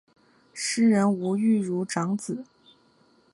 诗人吴玉如长子。